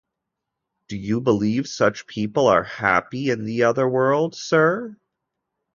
Do you believe such people are happy in the other world, sir?